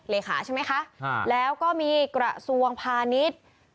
เลขาใช่ไหมคะแล้วก็มีกระทรวงพาณิชย์